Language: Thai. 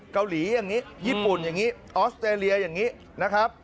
เกาหลีอย่างนี้ญี่ปุ่นอย่างนี้ออสเตรเลียอย่างนี้นะครับ